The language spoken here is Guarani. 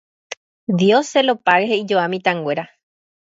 Dioselopáge, he'ijoa mitãnguéra